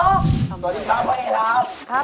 สวัสดีครับ